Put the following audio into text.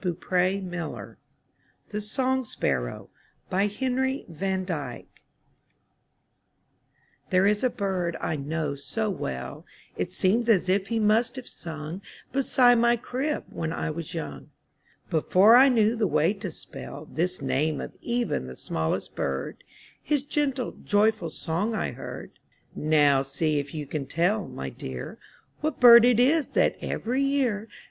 M Y BOOK HOUSE THE SONG SPARROW^ Henry van Dyke There is a bird I know so well, It seems as if he must have sung Beside my crib when I was young; Before I knew the way to spell The name of even the smallest bird, His gentle joyful song I heard. Now see if you can tell, my dear, What bird it is that, every year.